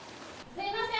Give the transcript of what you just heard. ・・すいません！